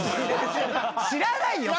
知らないよ